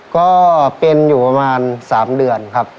ก็เป็นอยู่ประมาณ๓เดือนครับ